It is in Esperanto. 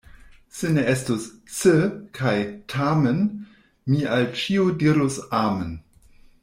Se ne estus "se" kaj "tamen", mi al ĉio dirus amen.